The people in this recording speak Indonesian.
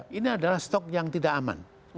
ini adalah stok yang tidak aman